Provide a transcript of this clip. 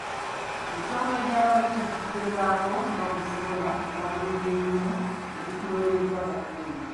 Ekitongole kya gavumenti kigezaako nga bwe kisobola kumaliriza emirimu egikiweereddwa gavumenti.